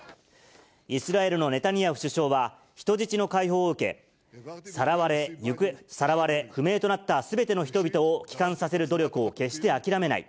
イスラエルのネタニヤフ首相は、人質の解放を受け、さらわれ、不明となったすべての人々を帰還させる努力を決してあきらめない。